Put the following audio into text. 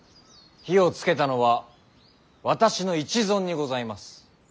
火をつけたのは私の一存にございます。